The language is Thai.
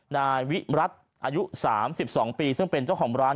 นายวิรัติอายุ๓๒ปีซึ่งเป็นเจ้าของร้าน